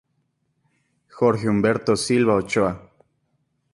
Jorge Humberto Silva Ochoa.